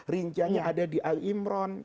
rinciannya ada di al imran